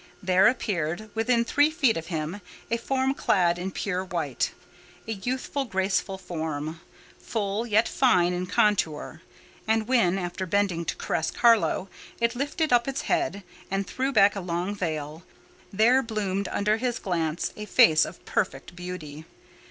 There appeared, within three feet of him, a form clad in pure white—a youthful, graceful form: full, yet fine in contour; and when, after bending to caress Carlo, it lifted up its head, and threw back a long veil, there bloomed under his glance a face of perfect beauty.